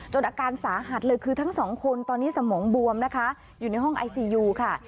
อาการสาหัสเลยคือทั้งสองคนตอนนี้สมองบวมนะคะอยู่ในห้องไอซียูค่ะ